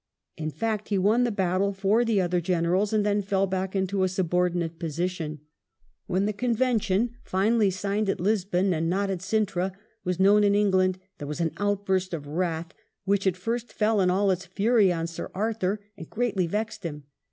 In fact, he won the battle for the other generals, and then fell back into a subordinate position. When the Convention, finally signed at Lisbon and not at Cintra, was known in England, there was an outburst of wrath, which at first fell in all its fury on Sir Arthur a^d greatly vexed him.